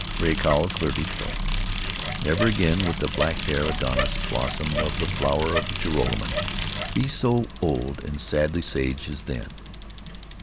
Ray Cowles cleared his throat. Never again would the black haired Adonis, blossom of the flower of Joralemon, be so old and sadly sage as then.